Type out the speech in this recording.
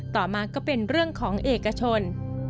ต่อมาก็เป็นเรื่องของเอกชน